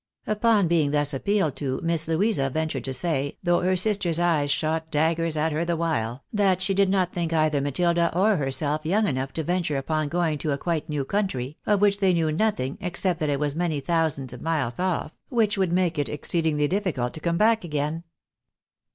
Upon being thus appealed to. Miss Louisa ventured to say, though her sister's eyes shot daggers at her the while, that she did not think either Matilda or herself young enough to venture upon going to a quite new country, of which they new nothing, except that it was many a thousand of miles off, which would make it exceedingly difficult to come back again.